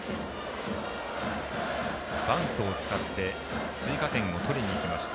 バントを使って追加点をとりにいきました。